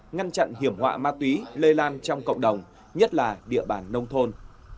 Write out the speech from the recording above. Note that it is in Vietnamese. ngăn chặn hiểm họa ma túy lây lan trong cộng đồng nhất là địa bàn nông thôn